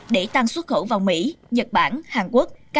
để tăng xuất khẩu vào mỹ nhật bản hàn quốc